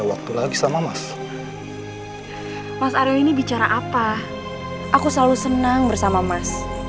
aku selalu senang bersama mas